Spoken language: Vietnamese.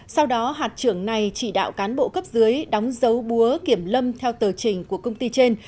sau đó hạt trưởng này chỉ đạo cán bộ cấp dưới đóng dấu búa kiểm lâm theo tờ trình của công ty trên